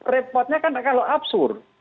repotnya kan kalau absur